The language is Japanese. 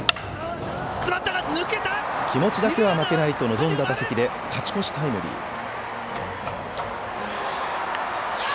気持ちだけは負けないと臨んだ打席で勝ち越しタイムリー。